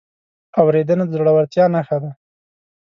اورېدنه د زړورتیا نښه ده.